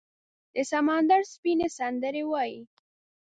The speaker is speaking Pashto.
د سمندر سپینې، سندرې وایې